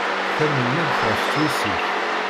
Tanemmirt ɣef twissi-k.